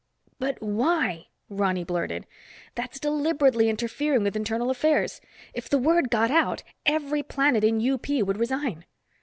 "But why," Ronny blurted. "That's deliberately interfering with internal affairs. If the word got out, every planet in UP would resign."